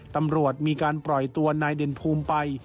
ตำรวจมีการปล่อยตัวนายเด่นภูมิไป